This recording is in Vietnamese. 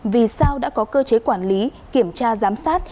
vì sao đã có cơ chế quản lý kiểm tra giám sát